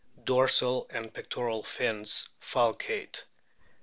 Dorsal and pectoral fins falcate.